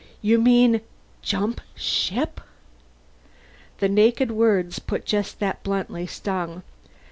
"You mean jump ship?" The naked words, put just that bluntly, stung.